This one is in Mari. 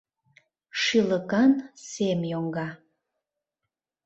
Шӱлыкан сем йоҥга.